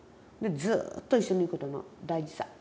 ずっと一緒にいることの大事さ。